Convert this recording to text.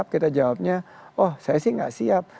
kita jawabnya oh saya sih nggak siap